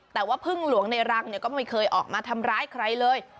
แต่ว่าพึ่งหลวงในรังเนี่ยก็ไม่เคยออกมาทำร้ายใครเลย